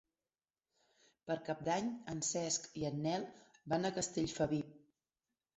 Per Cap d'Any en Cesc i en Nel van a Castellfabib.